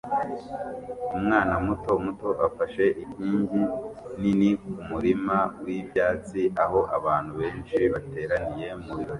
Umwana muto muto 'afashe' inkingi nini kumurima wibyatsi aho abantu benshi bateraniye mubirori